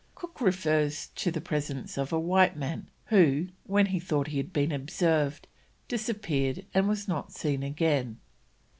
Cook refers to the presence of a white man, who, when he thought he had been observed, disappeared and was not seen again.